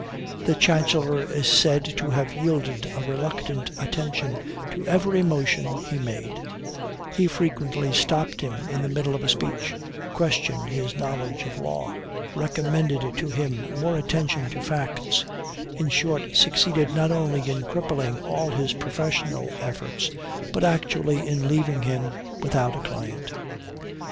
The Chancellor is said to have yielded a reluctant attention to every motion he made; he frequently stopped him in the middle of a speech, questioned his knowledge of law, recommended to him more attention to facts, in short, succeeded not only in crippling all his professional efforts, but actually in leaving him without a client.